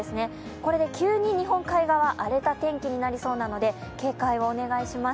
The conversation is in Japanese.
これで急に日本海側荒れた天気になりそうなので警戒をお願いします。